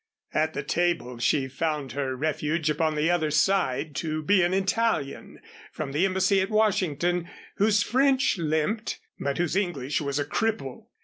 At the table she found her refuge upon the other side to be an Italian from the embassy at Washington, whose French limped but whose English was a cripple.